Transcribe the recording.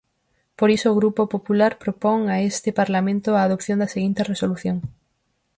Por iso, o Grupo Popular propón a este Parlamento a adopción da seguinte resolución.